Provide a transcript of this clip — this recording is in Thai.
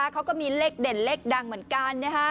เขาก็มีเลขเด่นเลขดังเหมือนกัน